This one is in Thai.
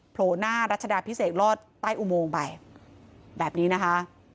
โผล่หน้ารัชดาพิเศษรอดใต้อุโมงไปแบบนี้นะคะ